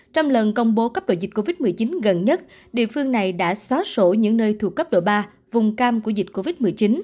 trong lần công bố cấp độ dịch covid một mươi chín gần nhất địa phương này đã xóa sổ những nơi thuộc cấp độ ba vùng cam của dịch covid một mươi chín